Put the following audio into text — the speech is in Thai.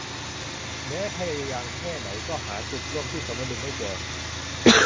แม้พยายามแค่ไหนก็หาจุดร่วมที่สมดุลไม่เจอ